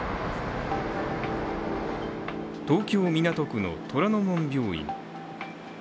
東京・港区の虎の門病院。